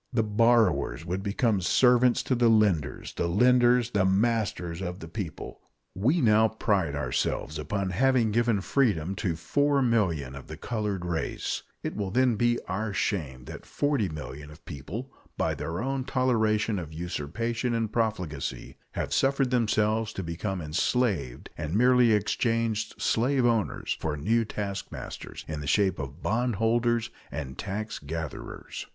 The borrowers would become servants to the lenders, the lenders the masters of the people. We now pride ourselves upon having given freedom to 4,000,000 of the colored race; it will then be our shame that 40,000,000 of people, by their own toleration of usurpation and profligacy, have suffered themselves to become enslaved, and merely exchanged slave owners for new taskmasters in the shape of bondholders and taxgatherers.